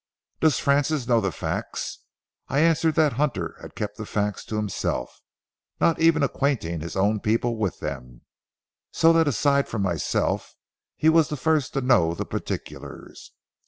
Does Frances know the facts?" I answered that Hunter had kept the facts to himself, not even acquainting his own people with them, so that aside from myself he was the first to know the particulars.